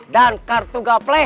dan kartu gapleh